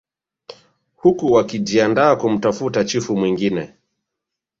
Huku wakijiandaa kumtafuta chifu mwingine